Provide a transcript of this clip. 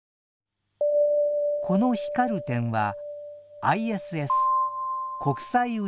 この光る点はＩＳＳ国際宇宙ステーション。